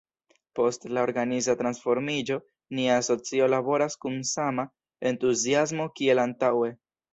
Post la organiza transformiĝo nia asocio laboras kun sama entuziasmo kiel antaŭe.